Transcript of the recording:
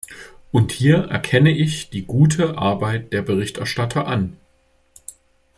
Und hier erkenne ich die gute Arbeit der Berichterstatter an.